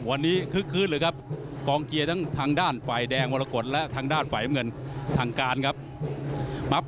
วันนี้คึกคืนเลยครับกองเกียร์ทั้งทางด้านฝ่ายแดงมรกฏและทางด้านฝ่ายน้ำเงินทางการครับ